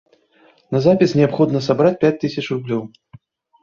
На запіс неабходна сабраць пяць тысяч рублёў.